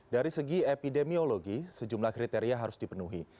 dari segi epidemiologi sejumlah kriteria harus dipenuhi